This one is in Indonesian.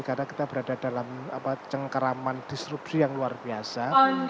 karena kita berada dalam cengkeraman disrupsi yang luar biasa